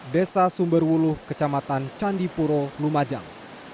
desa sumberwuluh kecamatan candipuro lumajang